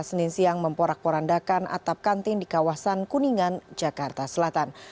senin siang memporak porandakan atap kantin di kawasan kuningan jakarta selatan